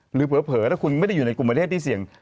เผลอถ้าคุณไม่ได้อยู่ในกลุ่มประเทศที่เสี่ยง